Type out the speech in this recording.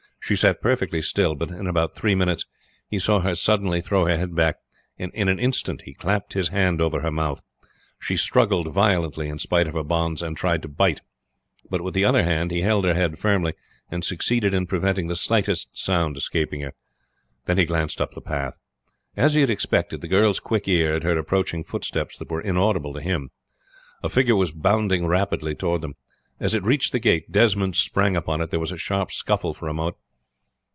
She sat perfectly still; but in about three minutes he saw her suddenly throw her head back, and in an instant he clapped his hand over her mouth. She struggled violently in spite of her bonds, and tried to bite; but with the other arm he held her head firmly, and succeeded in preventing the slightest sound escaping her. Then he glanced up the path. As he had expected the girl's quick ear had heard approaching footsteps that were inaudible to him. A figure was bounding rapidly toward them. As it reached the gate Desmond sprang upon it. There was a sharp scuffle for a moment.